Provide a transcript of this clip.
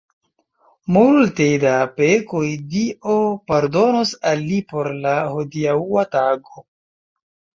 Multe da pekoj Dio pardonos al li por la hodiaŭa tago.